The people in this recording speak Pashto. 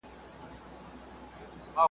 پر پردي ولات اوسېږم له اغیار سره مي ژوند دی .